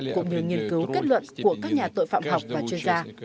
cũng như nghiên cứu kết luận của các nhà tội phạm học và chuyên gia